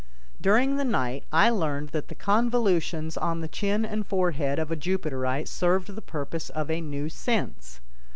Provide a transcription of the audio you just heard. During the night I learned that the convolutions on the chin and forehead of a Jupiterite served the purpose of a new sense.